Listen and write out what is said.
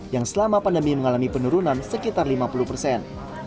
yang selama pandemi mengalami penurunan sekitar lima puluh persen